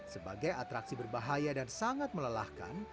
sebagai atraksi berbahaya dan sangat melelahkan